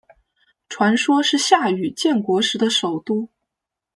传说是夏禹建国时的首都。